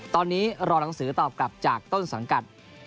ตอนนี้รอหนังสือตอบกลับจากต้นสังกัด